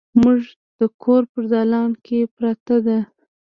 زموږ د کور په دالان کې پرته ده